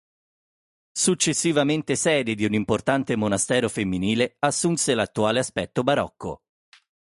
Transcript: Successivamente sede di un importante monastero femminile, assunse l'attuale aspetto barocco.